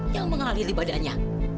yang mengalir ibadahnya